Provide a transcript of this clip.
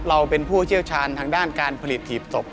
เราเป็นผู้เชี่ยวชาญทางด้านการผลิตหีบศพ